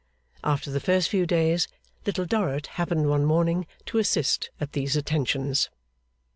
After the first few days, Little Dorrit happened one morning to assist at these attentions.